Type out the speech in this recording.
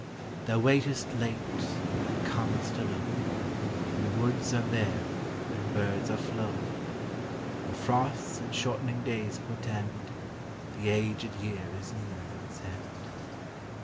Thou waitest late, and com'st alone, When woods are bare and birds are flown, And frosts and. shortening days portend The aged Year is near his end.